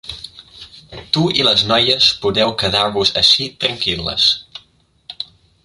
Tu i les noies podeu quedar-vos ací tranquil·les.